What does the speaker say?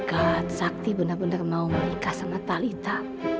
tante sakti benar benar mau menikah sama talitha